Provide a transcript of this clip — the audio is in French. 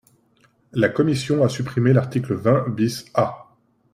La commission a supprimé l’article vingt bis A.